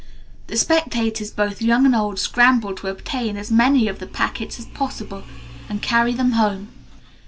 "The spectators, both young and old, scramble to obtain as many of the packets as possible, and carry them home.